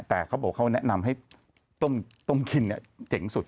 แต่เขาบอกเขาแนะนำให้ต้มกินเจ๋งสุด